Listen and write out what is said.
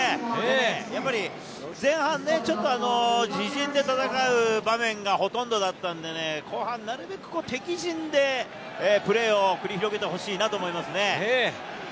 前半、ちょっと自陣で戦う場面がほとんどだったので、後半なるべく敵陣でプレーを繰り広げてほしいなと思いますね。